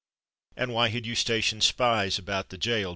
"And why had you stationed spies about the gaol?"